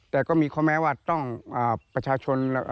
แต่ก็มีคนแม้ว่าต้องประชาชนฯแม้งานนางทำ